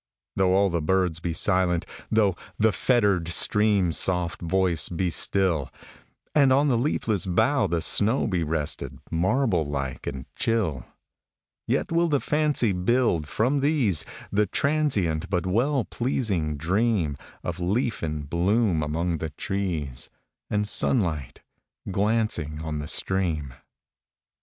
Though all the birds be silent,—thoughThe fettered stream's soft voice be still, And on the leafless bough the snowBe rested, marble like and chill,—Yet will the fancy build, from these, The transient but well pleasing dreamOf leaf and bloom among the trees, And sunlight glancing on the stream.